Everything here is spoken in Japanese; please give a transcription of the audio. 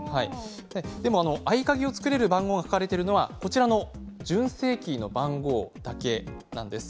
でも合鍵を作れる番号が書かれているのは純正キーの番号だけなんです。